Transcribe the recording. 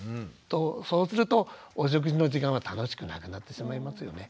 そうするとお食事の時間は楽しくなくなってしまいますよね。